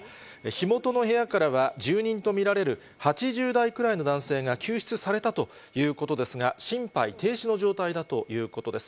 火元の部屋からは住人と見られる８０代くらいの男性が救出されたということですが、心肺停止の状態だということです。